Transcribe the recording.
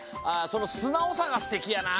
そのすなおさがすてきやな。